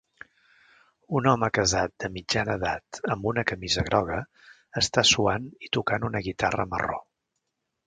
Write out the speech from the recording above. Un home casat de mitjana edat amb una camisa groga està suant i tocant una guitarra marró